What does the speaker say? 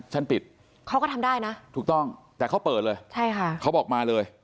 ฉันปิดเขาก็ทำได้นะถูกต้องแต่เขาเปิดเลยใช่ค่ะเขาบอกมาเลย